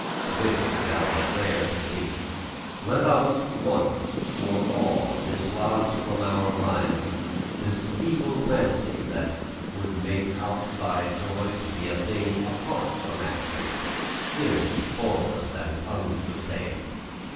This is our prayer to thee. Let us once for all dislodge from our minds the feeble fancy that would make out thy joy to be a thing apart from action, thin, formless, and unsustained.